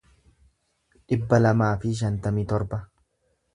dhibba lamaa fi shantamii torba